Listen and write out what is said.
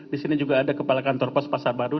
di sini juga ada kepala kantor pos pasar baru